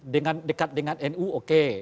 dekat dengan nu oke